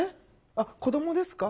あ子どもですか？